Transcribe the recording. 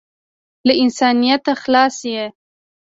له انسانیته خلاص یې .